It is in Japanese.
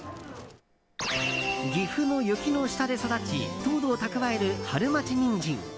岐阜の雪の下で育ち糖度を蓄える春まちにんじん。